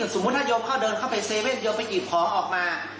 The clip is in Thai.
แต่สมมุติถ้ายอมเข้าเดินเข้าไปเซเว่นยอมไปหยิบของออกมา